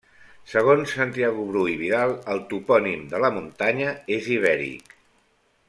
Segons Santiago Bru i Vidal, el topònim de la muntanya és ibèric.